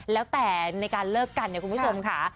แล้วแต่ในการเลิกกันเนี่ยคุณผู้ชมค่ะ